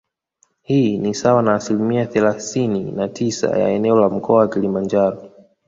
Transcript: Hii ni sawa na asilimia thelasini na tisa ya eneo la Mkoa wa Kilimanjaro